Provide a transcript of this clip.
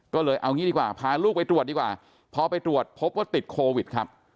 ก็เลยเอางี้ดีกว่าพาลูกไปตรวจดีกว่าพอไปตรวจพบว่าติดโควิดครับ